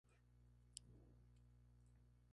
Las tres regresaron sin buenas noticias.